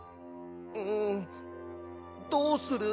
うんどうする？